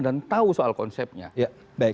dan tahu soal konsepnya